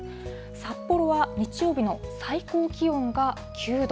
札幌は日曜日の最高気温が９度。